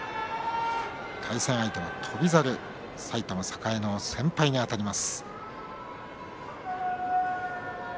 対戦相手は、翔猿埼玉栄の先輩にあたります。